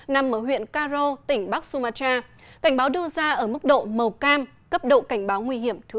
nằm ở huyện karo tỉnh bắc sumatra cảnh báo đưa ra ở mức độ màu cam cấp độ cảnh báo nguy hiểm thứ năm